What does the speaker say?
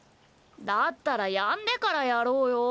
だったらやんでからやろうよ。